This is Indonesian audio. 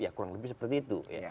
ya kurang lebih seperti itu